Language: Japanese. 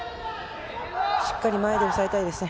しっかり前で抑えたいですね。